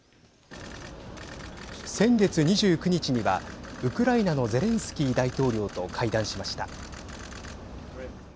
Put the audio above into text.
先月２９日にはウクライナのゼレンスキー大統領と会談しました。